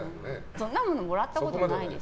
そんなものもらったことないです。